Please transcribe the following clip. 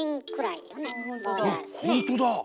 ほんとだ。